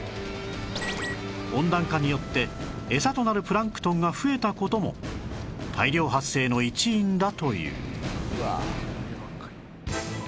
温暖化によって餌となるプランクトンが増えた事も大量発生の一因だという